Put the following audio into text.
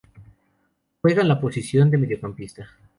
Juega en la posición de Mediocampista.